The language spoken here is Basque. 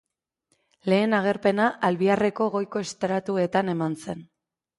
Lehen agerpena Albiarreko goiko estratuetan eman zen.